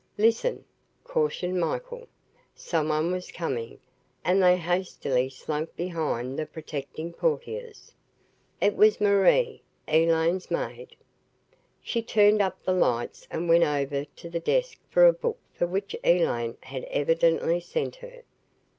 "Listen!" cautioned Michael. Someone was coming and they hastily slunk behind the protecting portieres. It was Marie, Elaine's maid. She turned up the lights and went over to the desk for a book for which Elaine had evidently sent her.